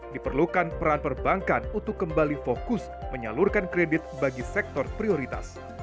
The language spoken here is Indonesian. diperlukan peran perbankan untuk kembali fokus menyalurkan kredit bagi sektor prioritas